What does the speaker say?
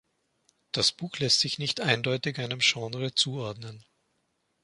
Das Buch lässt sich nicht eindeutig einem Genre zuordnen.